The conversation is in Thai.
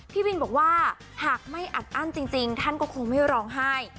พี่วินบอกว่าหากไม่อัดอั้นจริงท่านก็คงไม่ร้องไห้